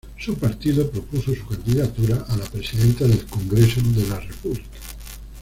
Su partido propuso su candidatura a la Presidenta del Congreso de la República.